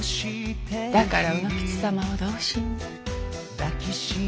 だから卯之吉様を同心に。